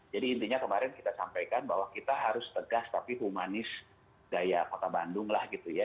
jadi intinya kemarin kita sampaikan bahwa kita harus tegas tapi humanis daya kota bandung lah gitu ya